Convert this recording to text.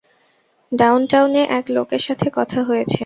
ডাউনটাউনে এক লোকের সাথে কথা হয়েছে।